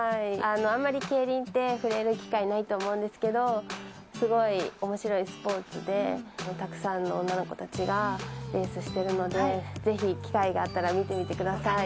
あんまり競輪って、触れる機会ないと思うんですけど、すごいおもしろいスポーツで、たくさんの女の子たちがレースしてるので、ぜひ機会があったら見てみてください。